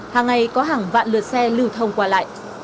hàng ngày có hàng vạn lượt xe lưu thông qua lại